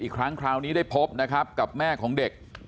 อีกครั้งคราวนี้ได้พบนะครับกับแม่ของเด็ก